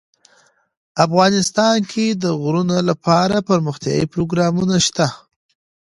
افغانستان کې د غرونه لپاره دپرمختیا پروګرامونه شته.